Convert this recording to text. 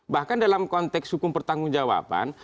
bahkan dalam konteks hukum pertanggung jawaban